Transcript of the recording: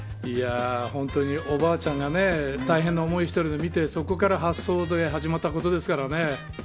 本当に、おばあちゃんがね大変な思いしてるのを見てそこから、発想で始まったことですからね。